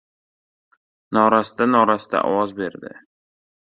Norasta-norasta ovoz berdi: